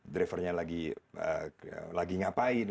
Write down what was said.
drivernya lagi ngapain